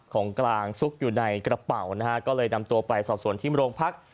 ของกลางซุกอยู่ในกระเป๋านะฮะก็เลยนำตัวไปสอบส่วนที่โรงพัก